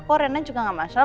koro rena juga gak masalah